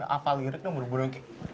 avalirik itu bener bener kayak